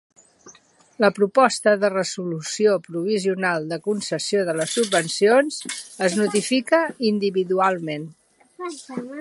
La proposta de resolució provisional de concessió de les subvencions es notifica individualment.